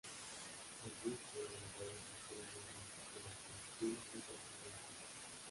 El buje de la rueda trasera de una bicicleta "sprint" es un piñón fijo.